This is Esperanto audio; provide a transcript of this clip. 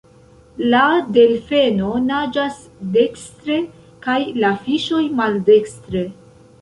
La Delfeno naĝas dekstre, kaj la Fiŝoj maldekstre.